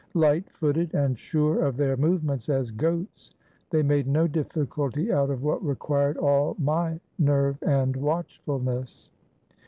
Light footed and sure of their movements as goats, they made no difficulty out of what required all my nerve and watchfulness.